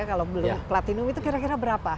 kalau belum platinum itu kira kira berapa